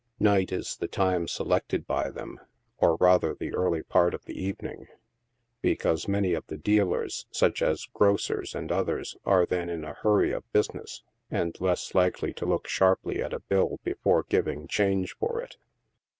Night is the time selected by them — or rather the early part of the evening — because many of the dealers, such as grocers and others, are then in a hurry of business, and less likely to look sharply at a bill before giving change for it.